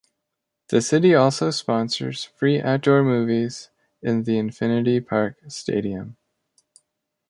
The city also sponsors free outdoor movies in the Infinity Park stadium.